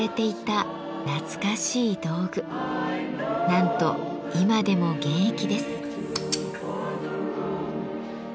なんと今でも現役です。